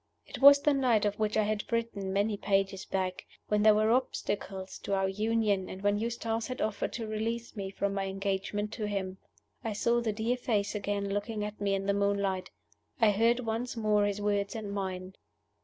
It was the night of which I have written, many pages back, when there were obstacles to our union, and when Eustace had offered to release me from my engagement to him. I saw the dear face again looking at me in the moonlight; I heard once more his words and mine.